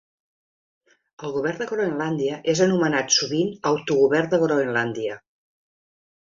El govern de Groenlàndia és anomenat sovint autogovern de Groenlàndia.